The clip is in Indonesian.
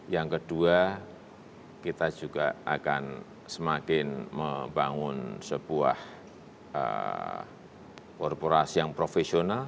yang kedua kita juga akan semakin membangun sebuah korporasi yang profesional